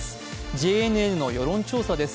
ＪＮＮの世論調査です。